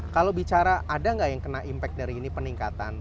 kalau bicara ada nggak yang kena impact dari ini peningkatan